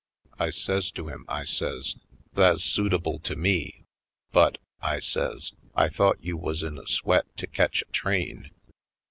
I says to him, I says: "Tha's suitable to me, but," I says, "I thought you wuz in a sweat to ketch a train?"